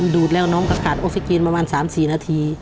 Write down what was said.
ดูดแล้วน้องก็ขาดออกซิเจนประมาณ๓๔นาที